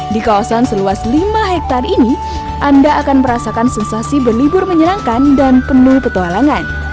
di kawasan seluas lima hektare ini anda akan merasakan sensasi berlibur menyenangkan dan penuh petualangan